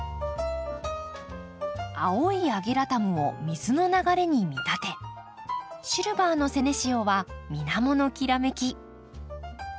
青いアゲラタムを水の流れに見立てシルバーのセネシオは水面のきらめき。